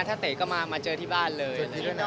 ถ้าเตะก็มาเจอที่บ้านเลย